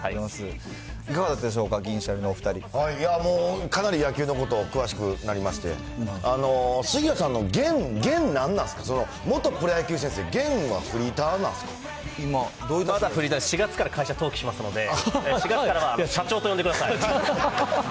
いかがだったでしょうか、銀シャリかなり野球のこと、詳しくなりまして、杉谷さんの現、元プロ野球選手で、まあフリーター、４月から会社登記しますので、４月からは社長と呼んでください。